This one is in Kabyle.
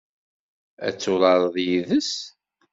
Ad turareḍ yid-s?